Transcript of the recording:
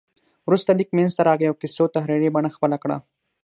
وروسته لیک منځته راغی او کیسو تحریري بڼه خپله کړه.